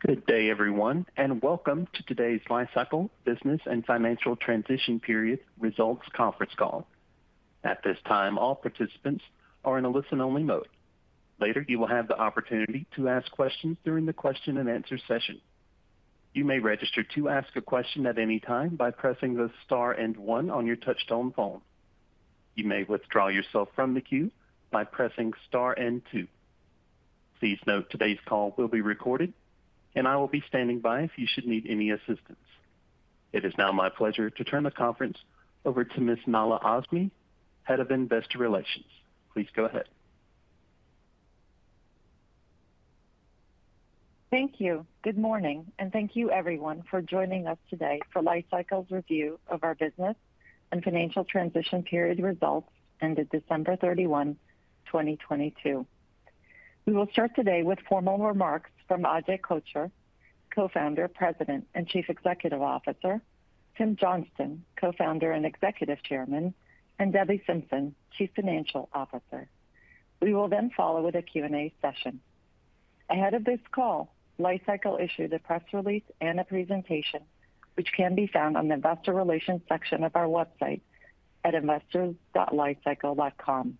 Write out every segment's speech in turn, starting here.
Good day, everyone. Welcome to today's Li-Cycle Business and Financial Transition Period Results conference call. At this time, all participants are in a listen-only mode. Later, you will have the opportunity to ask questions during the question and answer session. You may register to ask a question at any time by pressing the star and one on your touchtone phone. You may withdraw yourself from the queue by pressing star and two. Please note today's call will be recorded. I will be standing by if you should need any assistance. It is now my pleasure to turn the conference over to Ms. Nahla Azmy, Head of Investor Relations. Please go ahead. Thank you. Good morning, thank you everyone for joining us today for Li-Cycle's review of our business and financial transition period results ended December 31, 2022. We will start today with formal remarks from Ajay Kochhar, Co-founder, President, and Chief Executive Officer, Tim Johnston, Co-founder and Executive Chairman, and Debbie Simpson, Chief Financial Officer. We will follow with a Q&A session. Ahead of this call, Li-Cycle issued a press release and a presentation which can be found on the Investor Relations section of our website at investors.li-cycle.com. On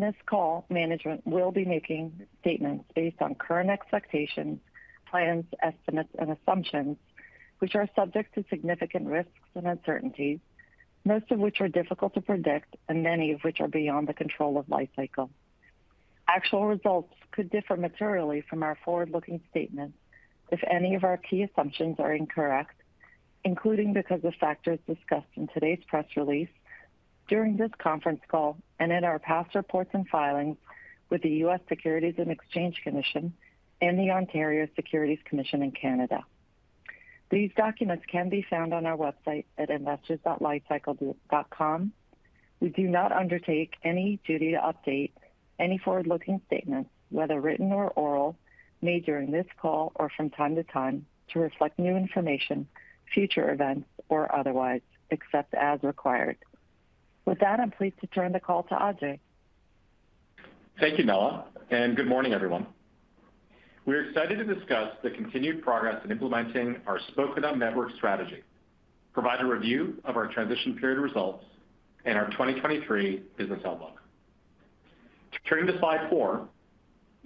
this call, management will be making statements based on current expectations, plans, estimates and assumptions which are subject to significant risks and uncertainties, most of which are difficult to predict and many of which are beyond the control of Li-Cycle. Actual results could differ materially from our forward-looking statements if any of our key assumptions are incorrect, including because of factors discussed in today's press release, during this conference call, and in our past reports and filings with the U.S. Securities and Exchange Commission and the Ontario Securities Commission in Canada. These documents can be found on our website at investors.li-cycle.com. We do not undertake any duty to update any forward-looking statements, whether written or oral, made during this call or from time to time to reflect new information, future events, or otherwise, except as required. With that, I'm pleased to turn the call to Ajay. Thank you, Nala, good morning, everyone. We're excited to discuss the continued progress in implementing our Spoke & Hub network strategy, provide a review of our transition period results and our 2023 business outlook. Turning to slide four.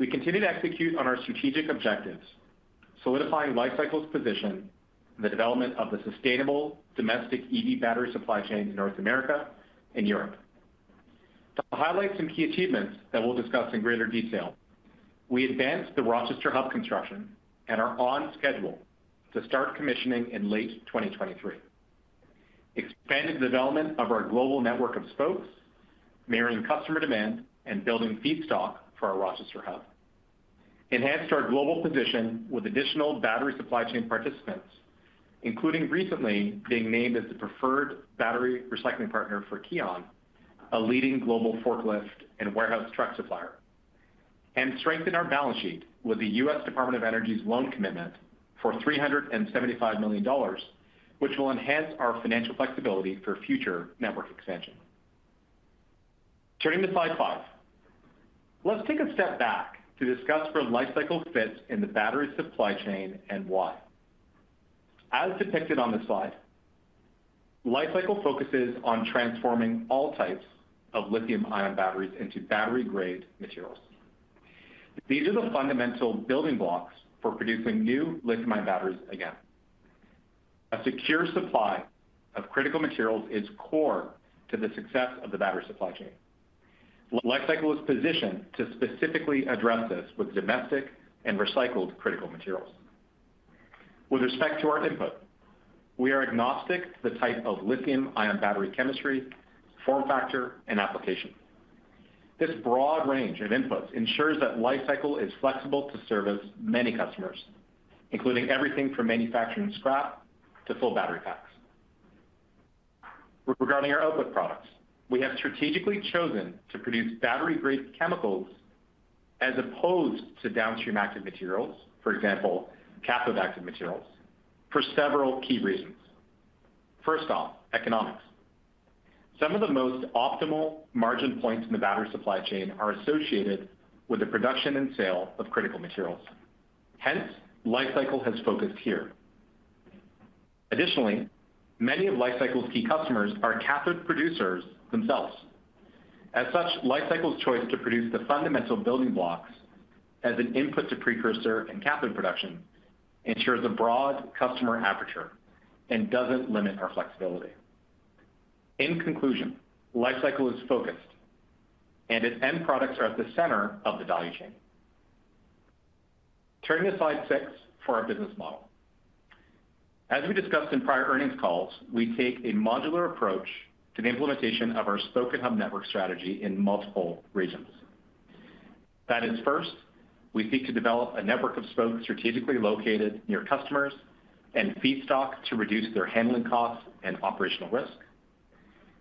We continue to execute on our strategic objectives, solidifying Li-Cycle's position in the development of the sustainable domestic EV battery supply chain in North America and Europe. To highlight some key achievements that we'll discuss in greater detail, we advanced the Rochester Hub construction and are on schedule to start commissioning in late 2023. Expanded the development of our global network of Spokes, mirroring customer demand and building feedstock for our Rochester Hub. Enhanced our global position with additional battery supply chain participants, including recently being named as the preferred battery recycling partner for KION, a leading global forklift and warehouse truck supplier. Strengthened our balance sheet with the U.S. Department of Energy's loan commitment for $375 million, which will enhance our financial flexibility for future network expansion. Turning to slide five. Let's take a step back to discuss where Li-Cycle fits in the battery supply chain and why. As depicted on the slide, Li-Cycle focuses on transforming all types of lithium-ion batteries into battery-grade materials. These are the fundamental building blocks for producing new lithium-ion batteries again. A secure supply of critical materials is core to the success of the battery supply chain. Li-Cycle is positioned to specifically address this with domestic and recycled critical materials. With respect to our input, we are agnostic to the type of lithium-ion battery chemistry, form factor, and application. This broad range of inputs ensures that Li-Cycle is flexible to service many customers, including everything from manufacturing scrap to full battery packs. Regarding our output products, we have strategically chosen to produce battery-grade chemicals as opposed to downstream active materials, for example, cathode active materials, for several key reasons. First off, economics. Some of the most optimal margin points in the battery supply chain are associated with the production and sale of critical materials. Hence, Li-Cycle has focused here. Additionally, many of Li-Cycle's key customers are cathode producers themselves. As such, Li-Cycle's choice to produce the fundamental building blocks as an input to precursor and cathode production ensures a broad customer aperture and doesn't limit our flexibility. In conclusion, Li-Cycle is focused and its end products are at the center of the value chain. Turning to slide six for our business model. As we discussed in prior earnings calls, we take a modular approach to the implementation of our Spoke & Hub network strategy in multiple regions. That is, first, we seek to develop a network of spokes strategically located near customers and feedstock to reduce their handling costs and operational risk.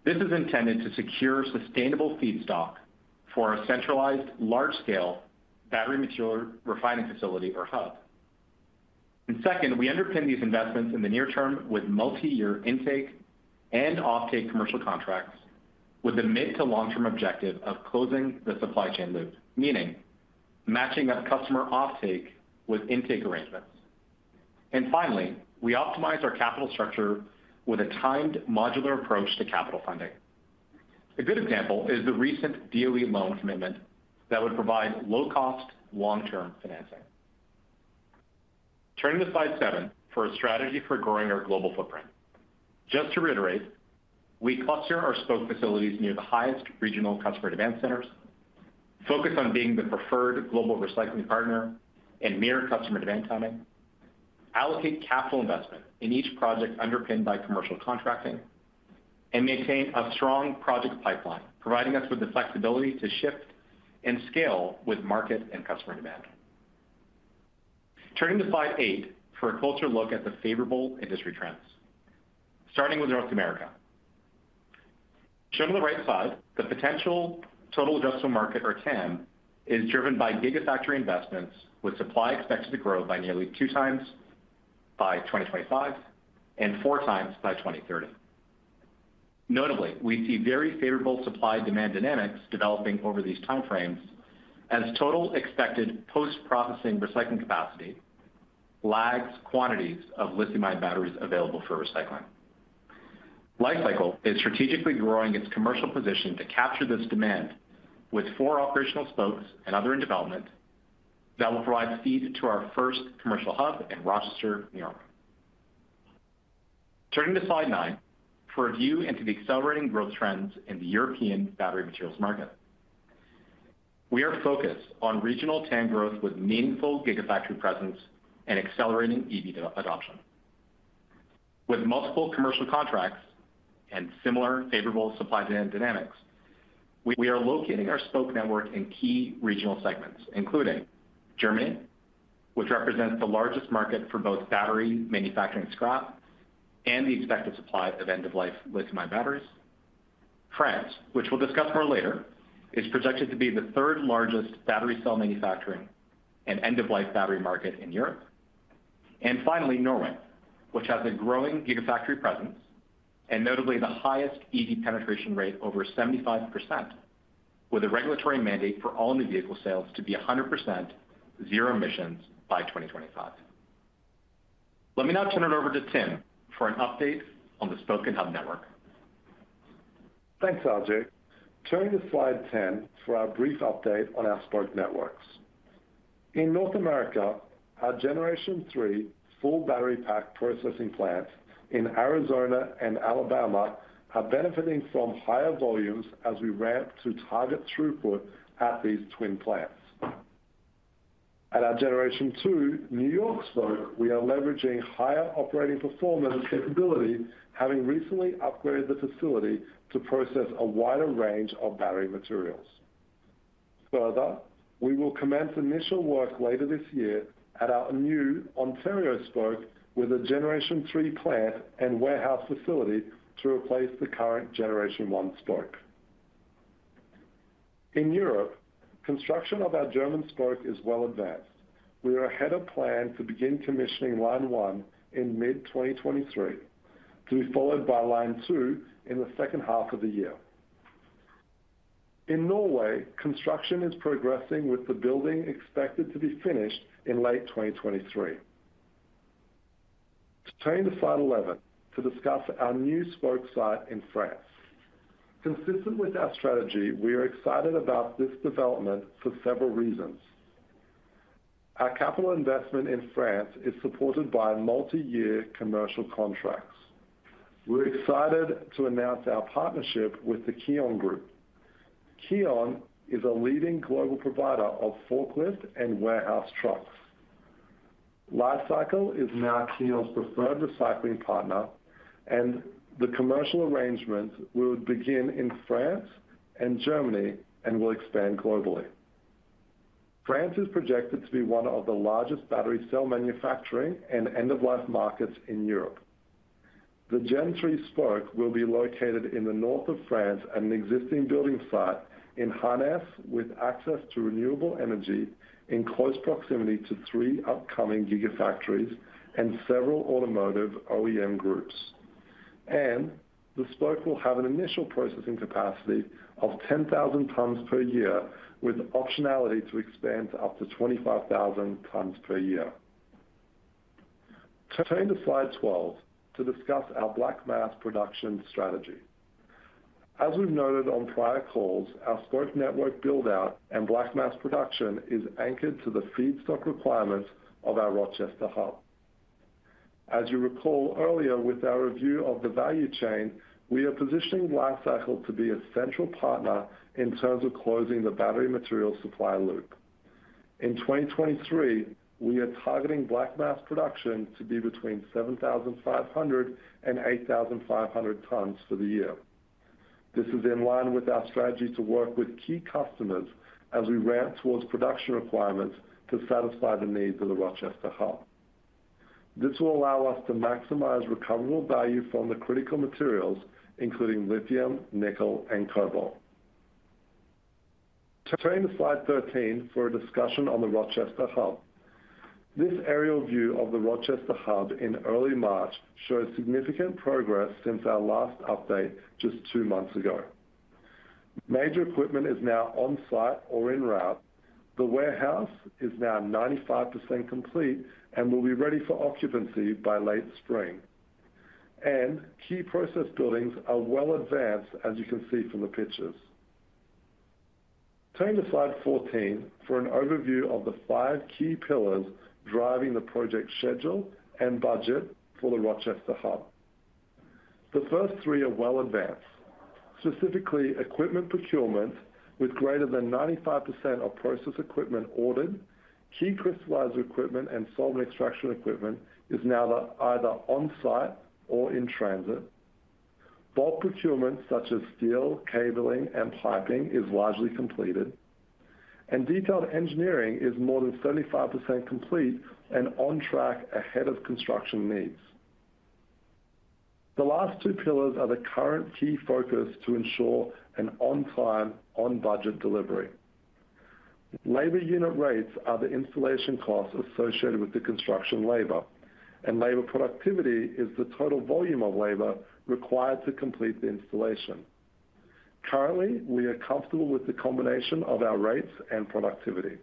This is intended to secure sustainable feedstock for a centralized large-scale battery material refining facility or hub. Second, we underpin these investments in the near term with multi-year intake and offtake commercial contracts with the mid to long-term objective of closing the supply chain loop, meaning matching up customer offtake with intake arrangements. Finally, we optimize our capital structure with a timed modular approach to capital funding. A good example is the recent DOE loan commitment that would provide low-cost, long-term financing. Turning to slide seven for a strategy for growing our global footprint. Just to reiterate, we cluster our spoke facilities near the highest regional customer demand centers, focus on being the preferred global recycling partner and mirror customer demand timing, allocate capital investment in each project underpinned by commercial contracting, and maintain a strong project pipeline, providing us with the flexibility to shift and scale with market and customer demand. Turning to slide eight for a closer look at the favorable industry trends. Starting with North America. Shown on the right side, the potential total addressable market or TAM is driven by gigafactory investments, with supply expected to grow by nearly 2x by 2025 and 4x by 2030. Notably, we see very favorable supply demand dynamics developing over these time frames as total expected post-processing recycling capacity lags quantities of lithium-ion batteries available for recycling. Li-Cycle is strategically growing its commercial position to capture this demand with four operational Spokes and other in development that will provide feed to our first commercial Hub in Rochester, New York. Turning to slide nine for a view into the accelerating growth trends in the European battery materials market. We are focused on regional TAM growth with meaningful gigafactory presence and accelerating EV adoption. With multiple commercial contracts and similar favorable supply demand dynamics, we are locating our Spoke network in key regional segments, including Germany, which represents the largest market for both battery manufacturing scrap and the expected supply of end-of-life lithium-ion batteries. France, which we'll discuss more later, is projected to be the third-largest battery cell manufacturing and end-of-life battery market in Europe. Finally, Norway, which has a growing gigafactory presence and notably the highest EV penetration rate, over 75%, with a regulatory mandate for all new vehicle sales to be 100% zero emissions by 2025. Let me now turn it over to Tim for an update on the Spoke & Hub network. Thanks, Ajay. Turning to slide 10 for our brief update on our Spoke networks. In North America, our Generation-3 full battery pack processing plants in Arizona and Alabama are benefiting from higher volumes as we ramp to target throughput at these twin plants. At our Generation-2 New York Spoke, we are leveraging higher operating performance capability, having recently upgraded the facility to process a wider range of battery materials. We will commence initial work later this year at our new Ontario Spoke with a Generation-3 plant and warehouse facility to replace the current Generation-1 Spoke. In Europe, construction of our German Spoke is well advanced. We are ahead of plan to begin commissioning Line 1 in mid-2023, to be followed by Line 2 in the second half of the year. In Norway, construction is progressing with the building expected to be finished in late 2023. Turning to slide 11 to discuss our new Spoke site in France. Consistent with our strategy, we are excited about this development for several reasons. Our capital investment in France is supported by multi-year commercial contracts. We're excited to announce our partnership with the KION Group. KION is a leading global provider of forklift and warehouse trucks. Li-Cycle is now KION's preferred recycling partner. The commercial arrangement will begin in France and Germany and will expand globally. France is projected to be one of the largest battery cell manufacturing and end-of-life markets in Europe. The Gen-3 Spoke will be located in the north of France at an existing building site in Harnes with access to renewable energy in close proximity to three upcoming gigafactories and several automotive OEM groups. The spoke will have an initial processing capacity of 10,000 tons per year with optionality to expand to up to 25,000 tons per year. Turning to slide 12 to discuss our black mass production strategy. As we've noted on prior calls, our spoke network build-out and black mass production is anchored to the feedstock requirements of our Rochester hub. As you recall earlier with our review of the value chain, we are positioning Li-Cycle to be a central partner in terms of closing the battery material supply loop. In 2023, we are targeting black mass production to be between 7,500 and 8,500 tons for the year. This is in line with our strategy to work with key customers as we ramp towards production requirements to satisfy the needs of the Rochester hub. This will allow us to maximize recoverable value from the critical materials, including lithium, nickel, and cobalt. Turning to slide 13 for a discussion on the Rochester hub. This aerial view of the Rochester hub in early March shows significant progress since our last update just two months ago. Major equipment is now on-site or en route. The warehouse is now 95% complete and will be ready for occupancy by late spring. Key process buildings are well advanced, as you can see from the pictures. Turning to slide 14 for an overview of the five key pillars driving the project schedule and budget for the Rochester hub. The first three are well advanced, specifically equipment procurement with greater than 95% of process equipment ordered. Key crystallizer equipment and solvent extraction equipment is now either on-site or in transit. Bulk procurement such as steel, cabling and piping is largely completed. Detailed engineering is more than 75% complete and on track ahead of construction needs. The last two pillars are the current key focus to ensure an on time, on budget delivery. Labor unit rates are the installation costs associated with the construction labor, and labor productivity is the total volume of labor required to complete the installation. Currently, we are comfortable with the combination of our rates and productivity.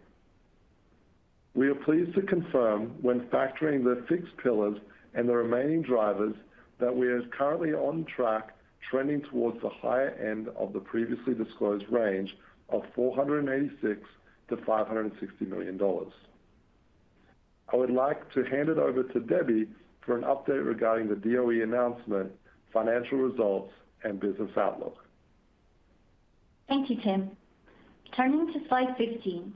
We are pleased to confirm when factoring the six pillars and the remaining drivers that we are currently on track, trending towards the higher end of the previously disclosed range of $486 million-$560 million. I would like to hand it over to Debbie for an update regarding the DOE announcement, financial results and business outlook. Thank you, Tim. Turning to slide 15.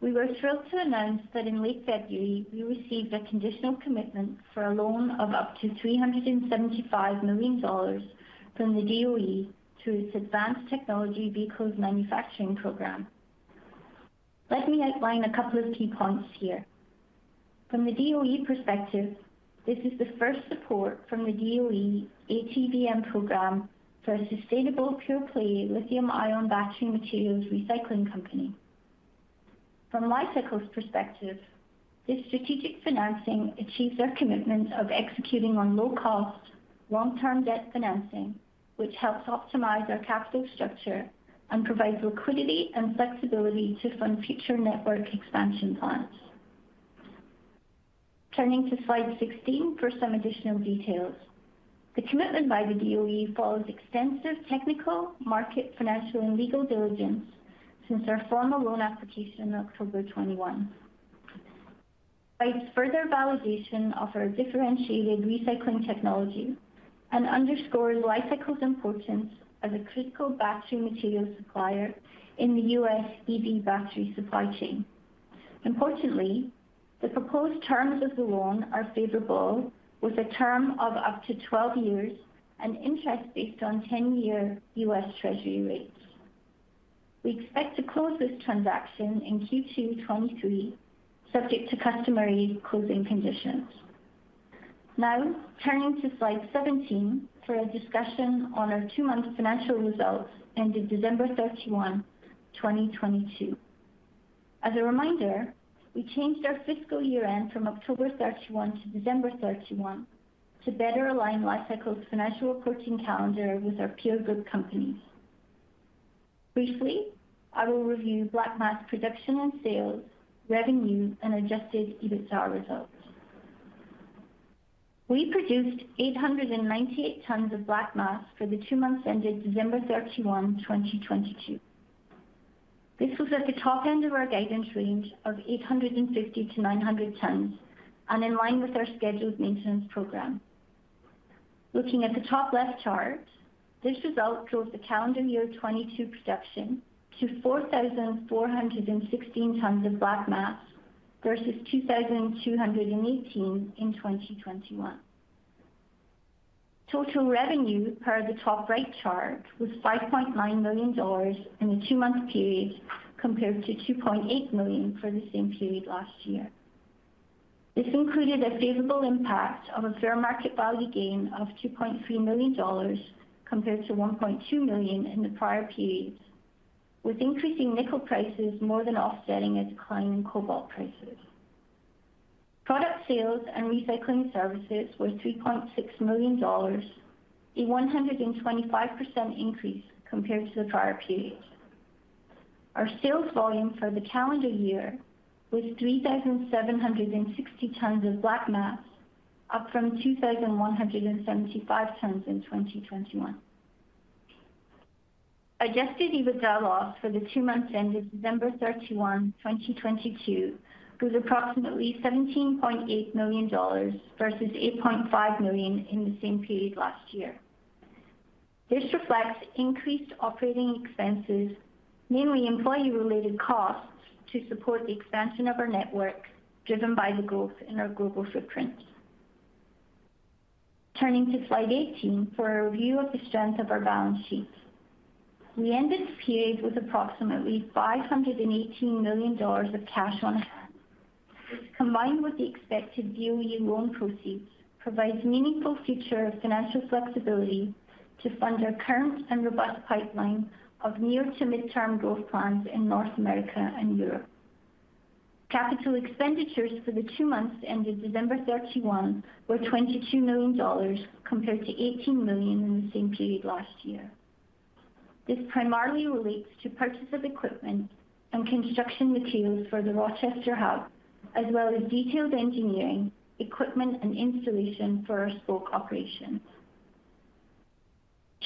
We were thrilled to announce that in late February we received a conditional commitment for a loan of up to $375 million from the DOE through its Advanced Technology Vehicles Manufacturing program. Let me outline a couple of key points here. From the DOE perspective, this is the first support from the DOE ATVM program for a sustainable, pure play lithium-ion battery materials recycling company. From Li-Cycle's perspective, this strategic financing achieves our commitment of executing on low-cost, long-term debt financing, which helps optimize our capital structure and provides liquidity and flexibility to fund future network expansion plans. Turning to slide 16 for some additional details. The commitment by the DOE follows extensive technical, market, financial and legal diligence since our formal loan application in October 2021. By its further validation of our differentiated recycling technology and underscores Li-Cycle's importance as a critical battery material supplier in the U.S. EV battery supply chain. Importantly, the proposed terms of the loan are favorable, with a term of up to 12 years and interest based on 10-year U.S. Treasury rates. We expect to close this transaction in Q2 2023, subject to customary closing conditions. Turning to slide 17 for a discussion on our two-month financial results ended December 31, 2022. As a reminder, we changed our fiscal year-end from October 31 to December 31 to better align Li-Cycle's financial reporting calendar with our peer group companies. Briefly, I will review black mass production and sales, revenue and Adjusted EBITDA results. We produced 898 tons of black mass for the two months ended December 31, 2022. This was at the top end of our guidance range of 850 tons-900 tons, and in line with our scheduled maintenance program. Looking at the top left chart, this result drove the calendar year 2022 production to 4,416 tons of black mass versus 2,218 in 2021. Total revenue, per the top right chart, was $5.9 million in the two-month period, compared to $2.8 million for the same period last year. This included a favorable impact of a fair market value gain of $2.3 million, compared to $1.2 million in the prior periods, with increasing nickel prices more than offsetting a decline in cobalt prices. Product sales and recycling services were $3.6 million, a 125% increase compared to the prior period. Our sales volume for the calendar year was 3,760 tons of black mass, up from 2,175 tons in 2021. Adjusted EBITDA loss for the two months ended December 31, 2022 was approximately $17.8 million versus $8.5 million in the same period last year. This reflects increased operating expenses, mainly employee-related costs, to support the expansion of our network, driven by the growth in our global footprint. Turning to slide 18 for a review of the strength of our balance sheet. We ended the period with approximately $518 million of cash on hand, which combined with the expected DOE loan proceeds, provides meaningful future financial flexibility to fund our current and robust pipeline of near to mid-term growth plans in North America and Europe. Capital expenditures for the two months ended December 31 were $22 million compared to $18 million in the same period last year. This primarily relates to purchase of equipment and construction materials for the Rochester Hub, as well as detailed engineering, equipment and installation for our Spoke operations.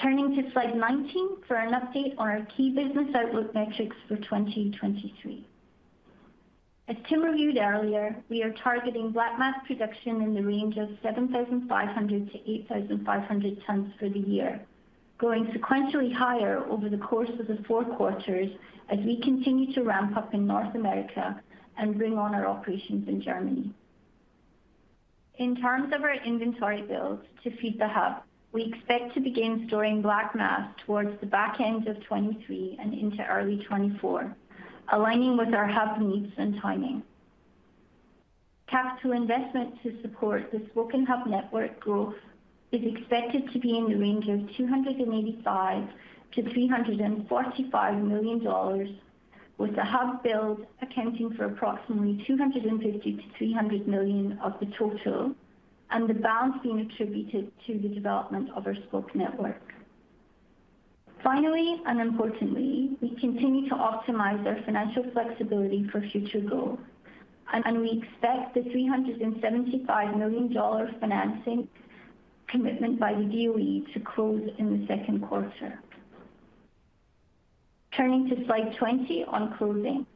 Turning to slide 19 for an update on our key business outlook metrics for 2023. As Tim reviewed earlier, we are targeting black mass production in the range of 7,500-8,500 tons for the year, growing sequentially higher over the course of the four quarters as we continue to ramp up in North America and bring on our operations in Germany. In terms of our inventory build to feed the Hub, we expect to begin storing black mass towards the back end of 2023 and into early 2024, aligning with our Hub needs and timing. Capital investment to support the Spoken Hub network growth is expected to be in the range of $285 million-$345 million, with the Hub build accounting for approximately $250 million-$300 million of the total, and the balance being attributed to the development of our Spoke network. Finally, and importantly, we continue to optimize our financial flexibility for future growth, and we expect the $375 million financing commitment by DOE to close in the second quarter. Turning to slide 20 on closing.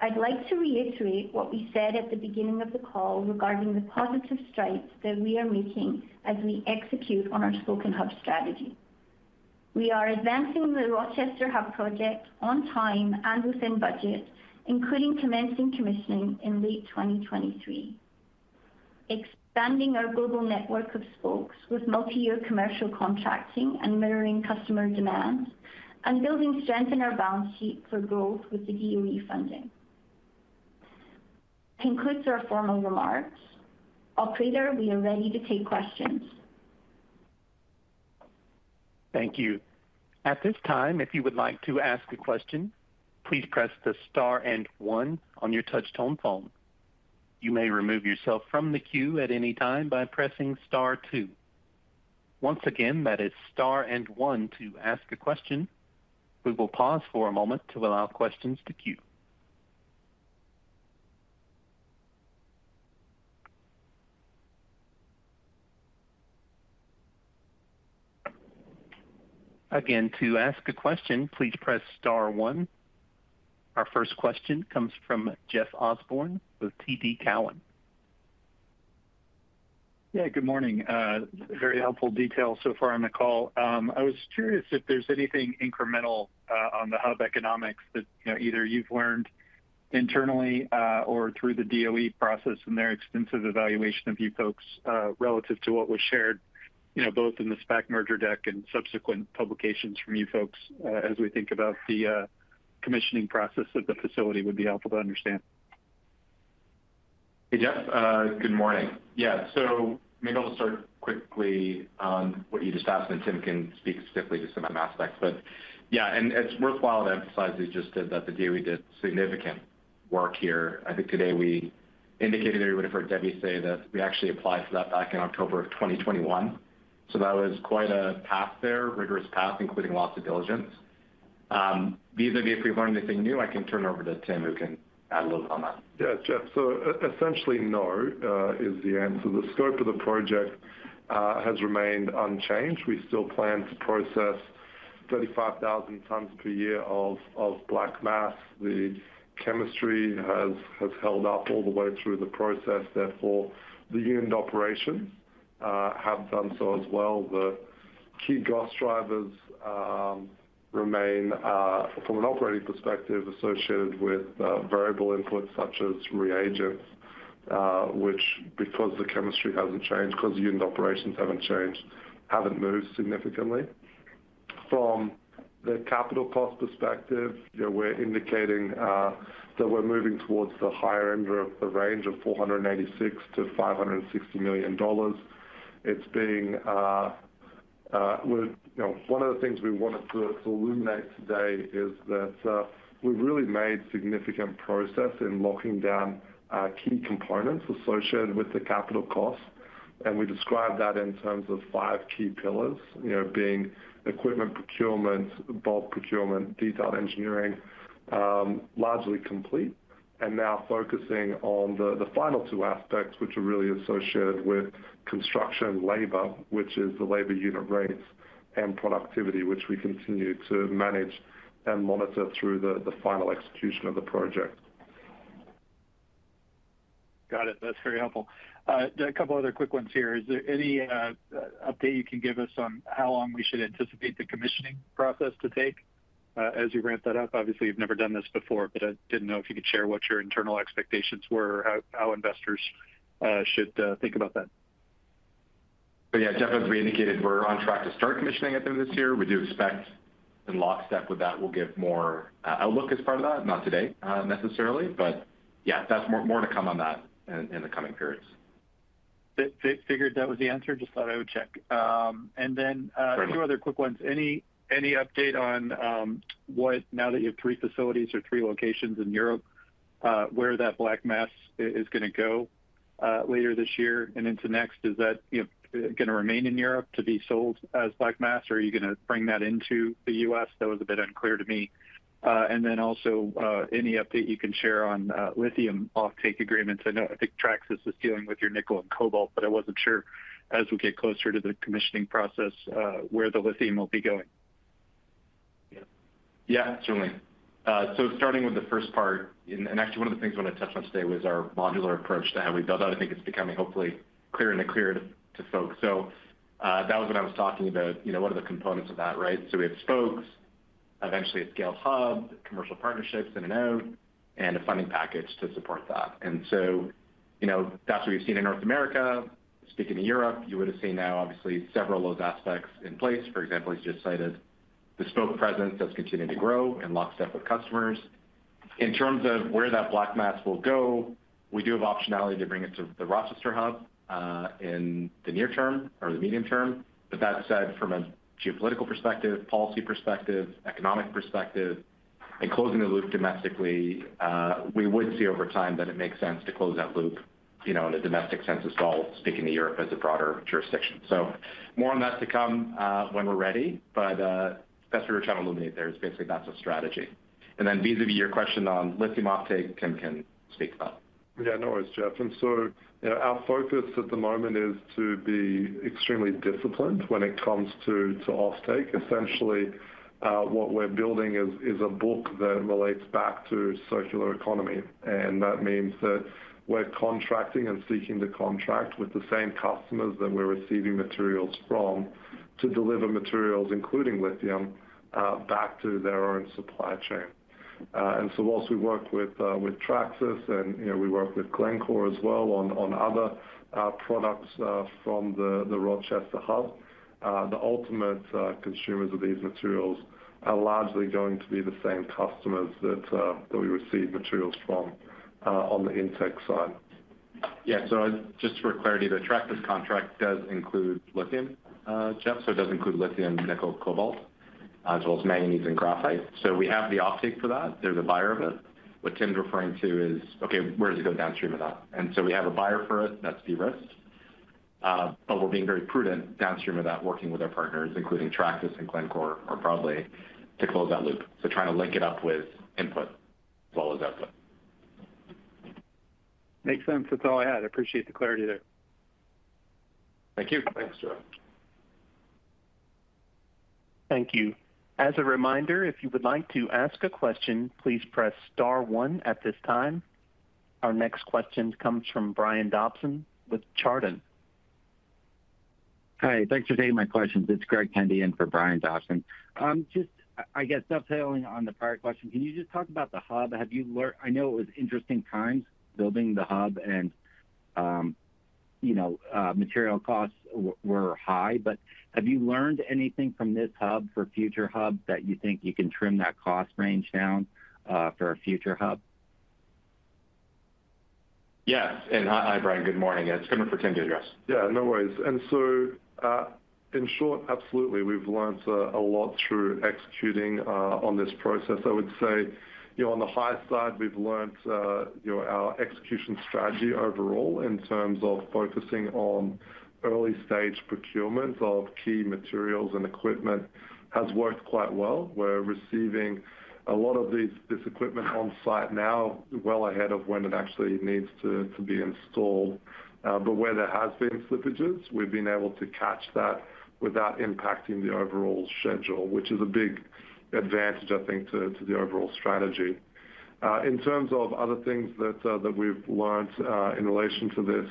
I'd like to reiterate what we said at the beginning of the call regarding the positive strides that we are making as we execute on our Spoke & Hub strategy. We are advancing the Rochester Hub project on time and within budget, including commencing commissioning in late 2023. Expanding our global network of Spokes with multiyear commercial contracting and mirroring customer demand and building strength in our balance sheet for growth with the DOE funding. Concludes our formal remarks. Operator, we are ready to take questions. Thank you. At this time, if you would like to ask a question, please press the star and one on your touch tone phone. You may remove yourself from the queue at any time by pressing star two. Once again, that is star and one to ask a question. We will pause for a moment to allow questions to queue. Again, to ask a question, please press star one. Our first question comes from Jeff Osborne with TD Cowen. Good morning. Very helpful detail so far on the call. I was curious if there's anything incremental on the hub economics that, you know, either you've learned internally or through the DOE process and their extensive evaluation of you folks relative to what was shared, you know, both in the SPAC merger deck and subsequent publications from you folks as we think about the commissioning process at the facility would be helpful to understand. Jeff, good morning. Maybe I'll start quickly on what you just asked, and Tim can speak specifically to some of the aspects. And it's worthwhile to emphasize, as you just said, that the DOE did significant work here. I think today we indicated, or you would have heard Debbie say that we actually applied for that back in October of 2021. That was quite a path there, rigorous path, including lots of diligence. Vis-a-vis if we've learned anything new, I can turn it over to Tim, who can add a little on that. Yeah, Jeff. Essentially, no, is the answer. The scope of the project has remained unchanged. We still plan to process 35,000 tons per year of black mass. The chemistry has held up all the way through the process. Therefore, the unit operations have done so as well. The key cost drivers remain from an operating perspective, associated with variable inputs such as reagents, which because the chemistry hasn't changed, 'cause the unit operations haven't changed, haven't moved significantly. From the capital cost perspective, you know, we're indicating that we're moving towards the higher end of the range of $486 million-$560 million. It's being with. You know, one of the things we wanted to illuminate today is that we've really made significant progress in locking down key components associated with the capital cost, and we describe that in terms of five key pillars. You know, being equipment procurement, bulk procurement, detailed engineering, largely complete. Now focusing on the final two aspects, which are really associated with construction labor, which is the labor unit rates and productivity, which we continue to manage and monitor through the final execution of the project. Got it. That's very helpful. A couple other quick ones here. Is there any update you can give us on how long we should anticipate the commissioning process to take as you ramp that up? Obviously, you've never done this before. I didn't know if you could share what your internal expectations were or how investors should think about that. Yeah, Jeff, as we indicated, we're on track to start commissioning at the end of this year. We do expect in lockstep with that, we'll give more outlook as part of that, not today, necessarily. Yeah, that's more to come on that in the coming periods. figured that was the answer. Just thought I would check. Sure. Two other quick ones. Any update on what now that you have three facilities or three locations in Europe, where that black mass is going to go later this year and into next? Is that, you know, gonna remain in Europe to be sold as black mass, or are you gonna bring that into the U.S.? That was a bit unclear to me. Also, any update you can share on lithium offtake agreements. I think Traxys is dealing with your nickel and cobalt, but I wasn't sure, as we get closer to the commissioning process, where the lithium will be going. Yeah, certainly. Starting with the first part, and actually one of the things I wanna touch on today was our modular approach to how we build out. I think it's becoming hopefully clearer and clearer to folks. That was what I was talking about, you know, what are the components of that, right? We have Spokes, eventually a scale Hub, commercial partnerships in and out, and a funding package to support that. That's what we've seen in North America. Speaking of Europe, you would have seen now obviously several of those aspects in place. For example, as you just cited, the Spoke presence that's continuing to grow in lockstep with customers. In terms of where that black mass will go, we do have optionality to bring it to the Rochester Hub in the near term or the medium term. That said, from a geopolitical perspective, policy perspective, economic perspective, and closing the loop domestically, we would see over time that it makes sense to close that loop, you know, in a domestic sense as well, speaking of Europe as a broader jurisdiction. More on that to come when we're ready. That's what we're trying to illuminate there is basically that's a strategy. Vis-à-vis your question on lithium offtake, Tim can speak to that. Yeah, no worries, Jeff. you know, our focus at the moment is to be extremely disciplined when it comes to to offtake. Essentially, what we're building is a book that relates back to circular economy, and that means that we're contracting and seeking to contract with the same customers that we're receiving materials from to deliver materials, including lithium, back to their own supply chain. whilst we work with Traxys and, you know, we work with Glencore as well on other products from the Rochester Hub, the ultimate consumers of these materials are largely going to be the same customers that we receive materials from on the intake side. Yeah. Just for clarity, the Traxys contract does include lithium, Jeff. It does include lithium, nickel, cobalt, as well as manganese and graphite. We have the offtake for that. There's a buyer of it. What Tim's referring to is, okay, where does it go downstream of that? We have a buyer for it, that's de-risked. But we're being very prudent downstream of that, working with our partners, including Traxys and Glencore, more broadly, to close that loop. Trying to link it up with input as well as output. Makes sense. That's all I had. I appreciate the clarity there. Thank you. Thanks, Jeff. Thank you. As a reminder, if you would like to ask a question, please press star one at this time. Our next question comes from Brian Dobson with Chardan. Hi, thanks for taking my questions. It's Greg Kennedy in for Brian Dobson. I guess dovetailing on the prior question, can you just talk about the hub? Have you learned I know it was interesting times building the hub and, you know, material costs were high. Have you learned anything from this hub for future hubs that you think you can trim that cost range down for a future hub? Yes. Hi, Brian, good morning. It's coming for Tim to address. Yeah, no worries. In short, absolutely. We've learned a lot through executing on this process. I would say, you know, on the high side, we've learned, you know, our execution strategy overall in terms of focusing on early-stage procurement of key materials and equipment has worked quite well. We're receiving a lot of this equipment on site now well ahead of when it actually needs to be installed. Where there has been slippages, we've been able to catch that without impacting the overall schedule, which is a big advantage, I think, to the overall strategy. In terms of other things that we've learned in relation to this,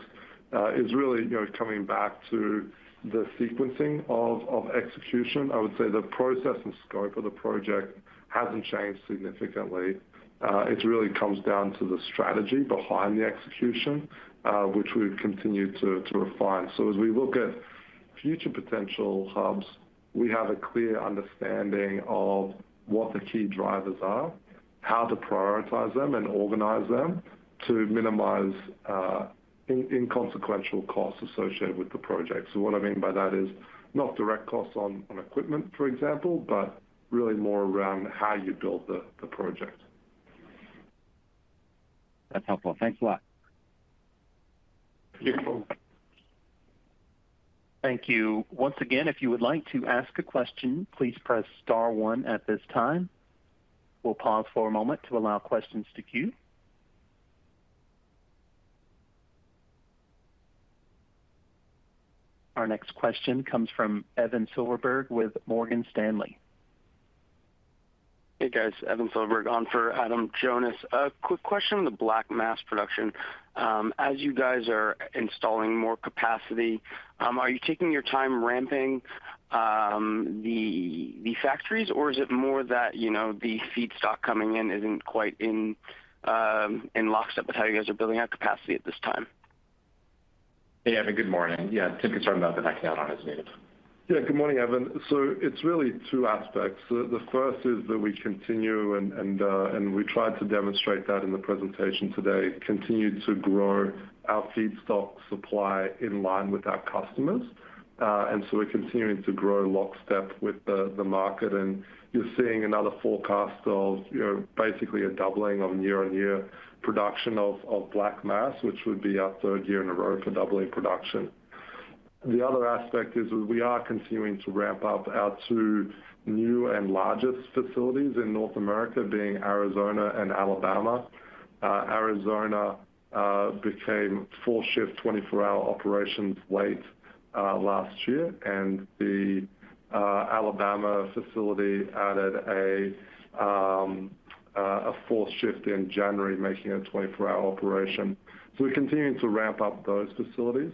is really, you know, coming back to the sequencing of execution. I would say the process and scope of the project hasn't changed significantly. It really comes down to the strategy behind the execution, which we've continued to refine. As we look at future potential hubs, we have a clear understanding of what the key drivers are, how to prioritize them and organize them to minimize inconsequential costs associated with the project. What I mean by that is not direct costs on equipment, for example, but really more around how you build the project. That's helpful. Thanks a lot. Yeah. Thank you. Once again, if you would like to ask a question, please press star one at this time. We'll pause for a moment to allow questions to queue. Our next question comes from Evan Silverberg with Morgan Stanley. Hey, guys. Evan Silverberg on for Adam Jonas. A quick question on the black mass production. As you guys are installing more capacity, are you taking your time ramping the factories, or is it more that, you know, the feedstock coming in isn't quite in lockstep with how you guys are building out capacity at this time? Hey, Evan, good morning. Yeah, Tim can chime in on the back end on as needed. Yeah. Good morning, Evan. It's really two aspects. The first is that we continue and we tried to demonstrate that in the presentation today, continue to grow our feedstock supply in line with our customers. We're continuing to grow in lockstep with the market, and you're seeing another forecast of, you know, basically a doubling on year-on-year production of black mass, which would be our third year in a row for doubling production. The other aspect is we are continuing to ramp up our two new and largest facilities in North America being Arizona and Alabama. Arizona became full shift, 24-hour operations late last year, and the Alabama facility added a full shift in January, making it a 24-hour operation. We're continuing to ramp up those facilities.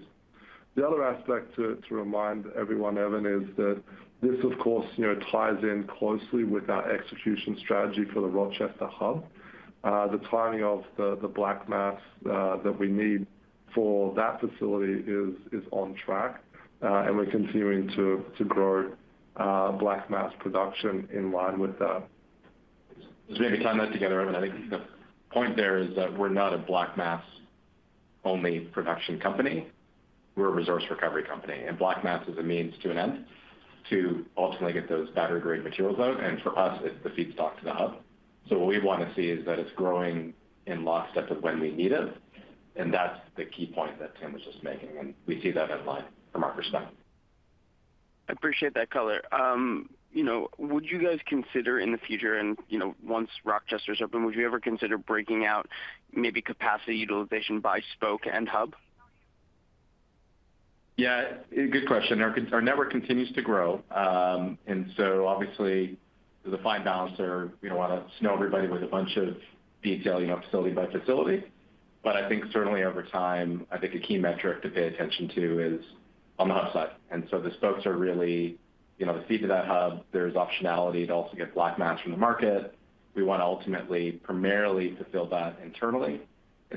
The other aspect to remind everyone, Evan, is that this of course, you know, ties in closely with our execution strategy for the Rochester Hub. The timing of the black mass that we need for that facility is on track, and we're continuing to grow black mass production in line with that. Just maybe tie that together, Evan. I think the point there is that we're not a black mass only production company. We're a resource recovery company, and black mass is a means to an end to ultimately get those battery-grade materials out. For us, it's the feedstock to the hub. What we wanna see is that it's growing in lockstep of when we need it, and that's the key point that Tim was just making, and we see that in line from our perspective. I appreciate that color. You know, would you guys consider in the future and, you know, once Rochester's open, would you ever consider breaking out maybe capacity utilization by Spoke & Hub? Yeah, good question. Our network continues to grow. Obviously, there's a fine balance there. We don't wanna snow everybody with a bunch of detail, you know, facility by facility. I think certainly over time, I think a key metric to pay attention to is on the hub side. The spokes are really, you know, the feed to that hub. There's optionality to also get black mass from the market. We wanna ultimately primarily fulfill that internally.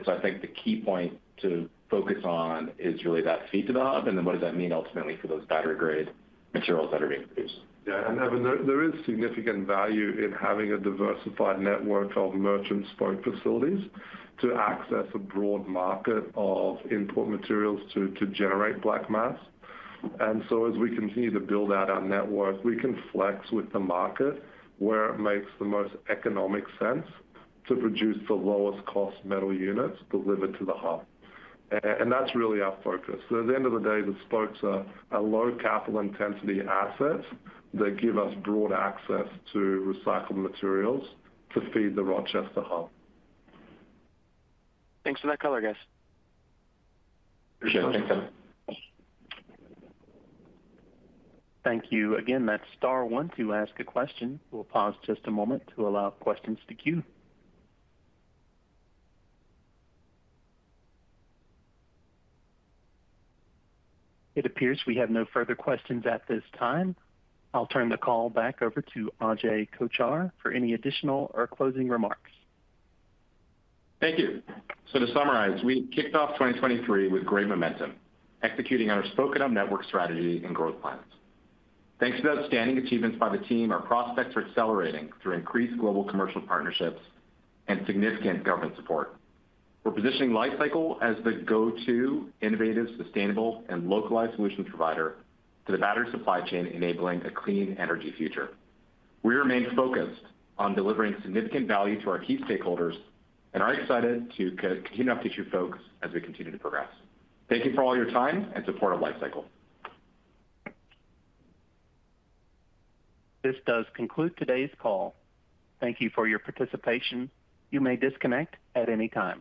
I think the key point to focus on is really that feed develop, what does that mean ultimately for those battery-grade materials that are being produced. Yeah. Evan, there is significant value in having a diversified network of merchant Spoke facilities to access a broad market of import materials to generate black mass. As we continue to build out our network, we can flex with the market where it makes the most economic sense to produce the lowest cost metal units delivered to the Hub. That's really our focus. At the end of the day, the Spokes are a low capital intensity asset that give us broad access to recycled materials to feed the Rochester Hub. Thanks for that color, guys. Appreciate it. Sure. Thanks, Evan. Thank you. Again, that's star one to ask a question. We'll pause just a moment to allow questions to queue. It appears we have no further questions at this time. I'll turn the call back over to Ajay Kochhar for any additional or closing remarks. Thank you. To summarize, we kicked off 2023 with great momentum, executing on our Spoke & Hub network strategy and growth plans. Thanks to the outstanding achievements by the team, our prospects are accelerating through increased global commercial partnerships and significant government support. We're positioning Li-Cycle as the go-to innovative, sustainable, and localized solution provider to the battery supply chain, enabling a clean energy future. We remain focused on delivering significant value to our key stakeholders and are excited to continue to update you folks as we continue to progress. Thank you for all your time and support of Li-Cycle. This does conclude today's call. Thank you for your participation. You may disconnect at any time.